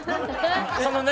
そのね